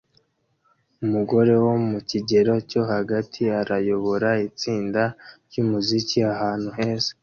Umugore wo mu kigero cyo hagati arayobora itsinda ryumuziki ahantu heza